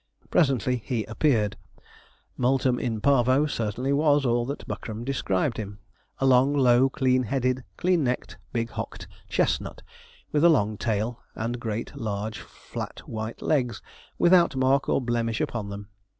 Presently he appeared. Multum in Parvo certainly was all that Buckram described him. A long, low, clean headed, clean necked, big hocked, chestnut, with a long tail, and great, large, flat white legs, without mark or blemish upon them.